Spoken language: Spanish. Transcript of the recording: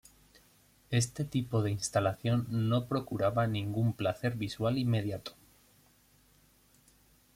Este tipo de instalación no procuraba ningún placer visual inmediato.